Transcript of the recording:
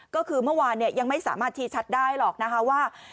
ก็คือเมื่อวานยังไม่สามารถชี้ชัดได้หรอกนะคะว่า